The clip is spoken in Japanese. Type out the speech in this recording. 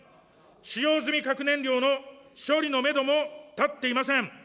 使用済み核燃料の処理のメドも立っていません。